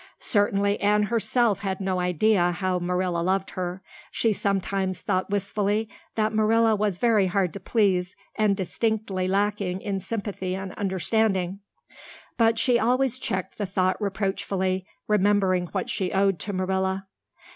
Certainly Anne herself had no idea how Marilla loved her. She sometimes thought wistfully that Marilla was very hard to please and distinctly lacking in sympathy and understanding. But she always checked the thought reproachfully, remembering what she owed to Marilla.